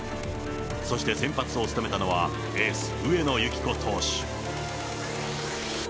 そして先発を務めたのはエース、上野由岐子投手。